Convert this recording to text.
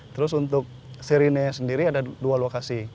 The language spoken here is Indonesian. terus untuk sirine sendiri ada dua lokasi